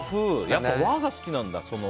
やっぱり和が好きなんだ。